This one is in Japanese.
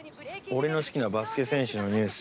俺の好きなバスケ選手のニュース。